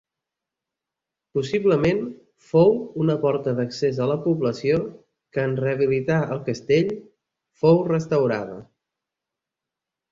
Possiblement fou una porta d'accés a la població que en rehabilitar el castell, fou restaurada.